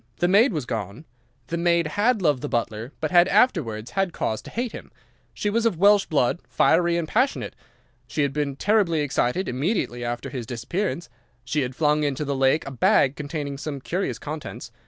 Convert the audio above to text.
The maid was gone. The maid had loved the butler, but had afterwards had cause to hate him. She was of Welsh blood, fiery and passionate. She had been terribly excited immediately after his disappearance. She had flung into the lake a bag containing some curious contents.